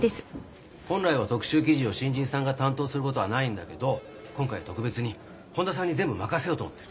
本来は特集記事を新人さんが担当することはないんだけど今回は特別に本田さんに全部任せようと思ってる。